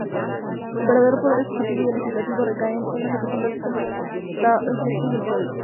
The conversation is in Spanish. El verdadero poder ejecutivo y el legislativo recaen en los representantes electos del pueblo.